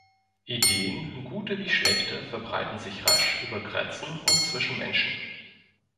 Ideen gute wie schlechte verbreiten sich rasch über Grenzen und zwischen Menschen.